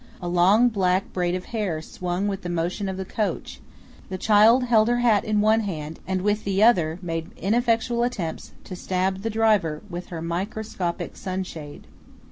A long black braid of hair swung with the motion of the coach; the child held her hat in one hand and with the other made ineffectual attempts to stab the driver with her microscopic sunshade.